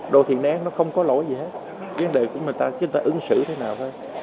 đồ thị nén nó không có lỗi gì hết vấn đề của chúng ta là chúng ta ứng xử thế nào thôi